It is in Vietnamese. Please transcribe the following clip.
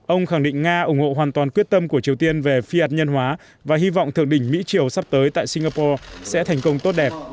ông khẳng định nga ủng hộ hoàn toàn quyết tâm của triều tiên về phi hạt nhân hóa và hy vọng thượng đỉnh mỹ triều sắp tới tại singapore sẽ thành công tốt đẹp